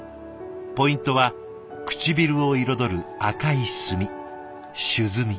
ポイントは唇を彩る赤い墨朱墨。